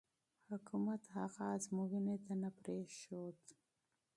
حکومت هغه ازموینې ته نه پرېښود.